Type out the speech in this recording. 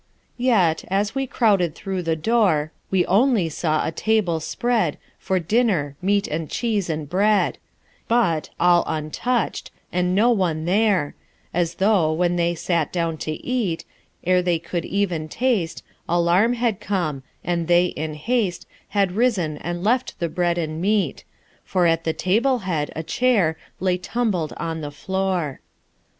Yet, as we crowded through the door, We only saw a table, spread For dinner, meat and cheese and bread; But, all untouched; and no one there: As though, when they sat down to eat, Ere they could even taste, Alarm had come; and they in haste Had risen and left the bread and meat: For at the table head a chair Lay tumbled on the floor.